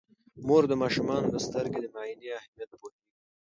مور د ماشومانو د سترګو د معاینې اهمیت پوهیږي.